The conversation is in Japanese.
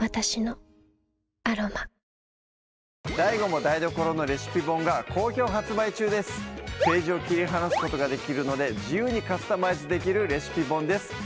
ＤＡＩＧＯも台所のレシピ本が好評発ページを切り離すことができるので自由にカスタマイズできるレシピ本です